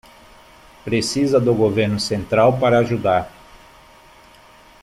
Precisa do governo central para ajudar